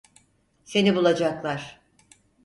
Seni bulacaklar.